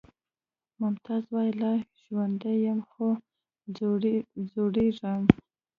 ممتاز وایی لا ژوندی یم خو ځورېږم